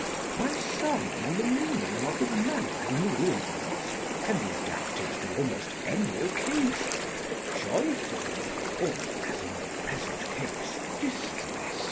] My sermon on the meaning of the manna in the wilderness can be adapted to almost any occasion, joyful, or, as in the present case, distressing.